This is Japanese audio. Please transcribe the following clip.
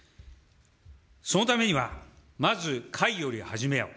そのためには、まず、かいより始めよ。